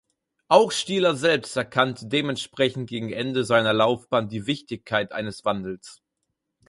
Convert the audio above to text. Auch Stieler selbst erkannte dementsprechend gegen Ende seiner Laufbahn die Wichtigkeit eines Wandels.